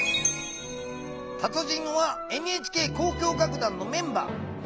たつじんはＮＨＫ交響楽団のメンバー。